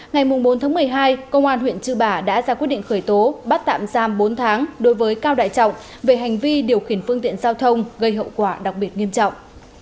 ngày bốn một mươi hai công an huyện chư bả đã ra quyết định khởi tố bắt tạm giam bốn tháng đối với cao đại trọng về hành vi điều khiển phương tiện giao thông gây hậu quả đặc biệt nghiêm trọng